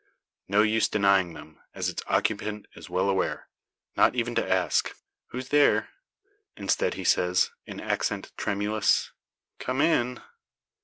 No use denying them, as its occupant is well aware not even to ask "Who's there?" Instead, he says, in accent tremulous "Come in."